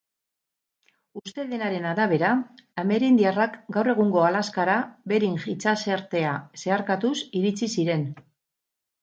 Uste denaren arabera, amerindiarrak gaur egungo Alaskara Bering itsasartea zeharkatuz iritsi ziren.